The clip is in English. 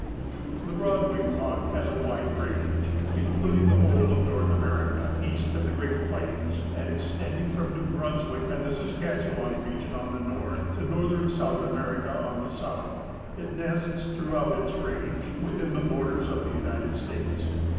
The Broad winged Hawk has a wide range, including the whole of North America, east of the great plains and extending from New Brunswick and the Saskatchewan region on the north to Northern South America on the south. It nests throughout its range within the borders of the United States.